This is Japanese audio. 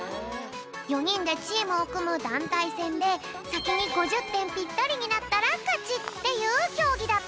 ４にんでチームをくむだんたいせんでさきに５０てんぴったりになったらかちっていうきょうぎだぴょん！